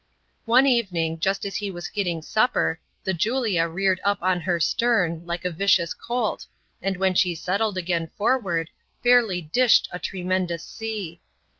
One evening, just as he was getting supper, the Julia reared up on her stem, like a vicious colt, and when she settled again forward, fairly disked a tremendous sea.